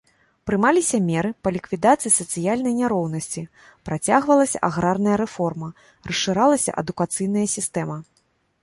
Прымаліся меры па ліквідацыі сацыяльнай няроўнасці, працягвалася аграрная рэформа, расшыралася адукацыйная сістэма.